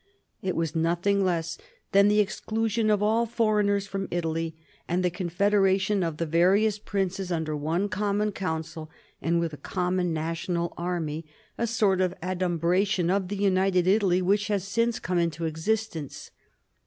It was nothing less than the exclusion of all foreigners from Italy, and the federation of the various princes under one common council, and with a common national army ; a sort of adumbration of the united Italy which has since come into existence.